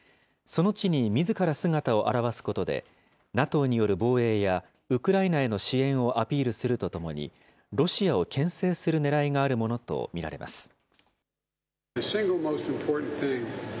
その地にみずから姿を現すことで、ＮＡＴＯによる防衛や、ウクライナへの支援をアピールするとともに、ロシアをけん制するねらいがあるものと見られます。